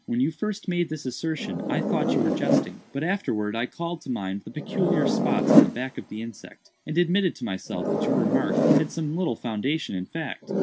When you first made this assertion I thought you were jesting; but afterwards I called to mind the peculiar spots on the back of the insect, and admitted to myself that your remark had some little foundation in fact.